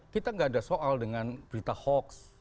kita nggak ada soal dengan berita hoax